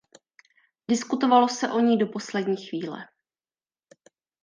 Diskutovalo se o ní do poslední chvíle.